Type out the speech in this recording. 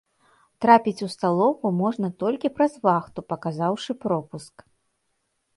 Трапіць у сталоўку можна толькі праз вахту, паказаўшы пропуск.